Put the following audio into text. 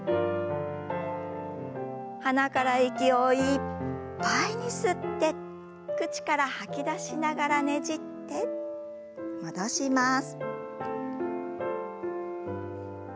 鼻から息をいっぱいに吸って口から吐き出しながらねじって戻します。